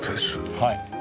はい。